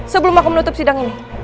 sebelum aku menutup sidang ini